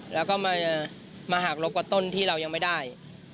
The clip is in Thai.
แล้วก็มาหักลบกว่าต้นที่เรายังไม่ได้